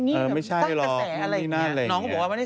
น้องก็บอกว่าไม่ได้สร้างกระแส